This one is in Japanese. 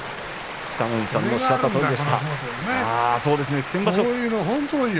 北の富士さんがおっしゃったとおり。